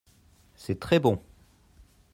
c'est très bon.